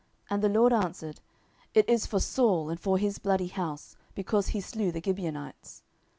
And the LORD answered, It is for Saul, and for his bloody house, because he slew the Gibeonites.